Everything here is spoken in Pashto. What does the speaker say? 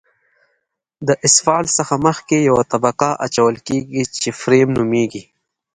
د اسفالټ څخه مخکې یوه طبقه اچول کیږي چې فریم نومیږي